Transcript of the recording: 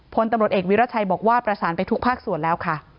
พลตำรวจเอกวิรัชัยบอกว่าประสานไปทุกภาคส่วนแล้วค่ะ